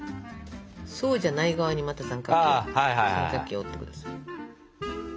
そうじゃない側にまた三角形を折って下さい。